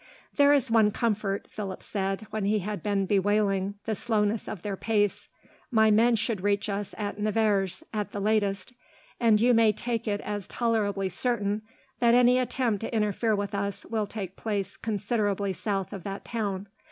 "There is one comfort," Philip said, when he had been bewailing the slowness of their pace, "my men should reach us at Nevers, at the latest, and you may take it as tolerably certain that any attempt to interfere with us will take place considerably south of that town.